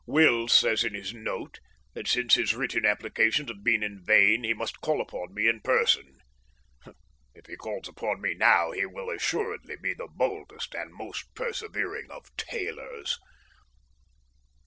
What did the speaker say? Wills says in his note that, since his written applications have been in vain, he must call upon me in person. If he calls upon me now he will assuredly be the boldest and most persevering of tailors.